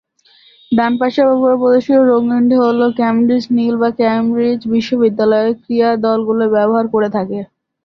ডানপাশে বা উপরে প্রদর্শিত রঙটি হলো ক্যামব্রিজ নীল যা ক্যামব্রিজ বিশ্ববিদ্যালয়ের ক্রীড়া দলগুলো ব্যবহার করে থাকে।